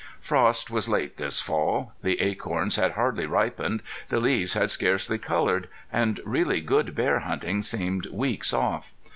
Frost was late this fall. The acorns had hardly ripened, the leaves had scarcely colored; and really good bear hunting seemed weeks off.